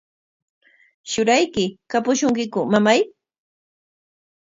¿Shurayki kapushunkiku, mamay?